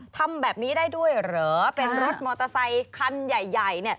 ทำแบบนี้ได้ด้วยเหรอเป็นรถมอเตอร์ไซคันใหญ่